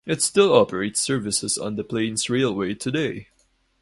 It still operates services on The Plains Railway today.